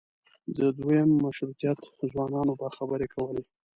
د دویم مشروطیت ځوانانو به خبرې کولې.